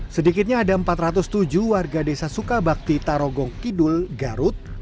sedikitnya ada empat ratus tujuh warga desa sukabakti tarogong kidul garut